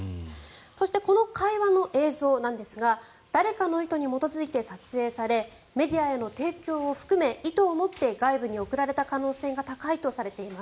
そしてこの会話の映像なんですが誰かの意図に基づいて撮影されメディアへの提供を含め意図を持って外部に送られた可能性が高いとしています。